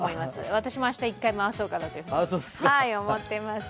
私も明日、１回、回そうかなと思っています。